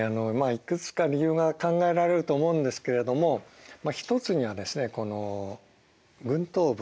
いくつか理由が考えられると思うんですけれども一つにはですねこの群島部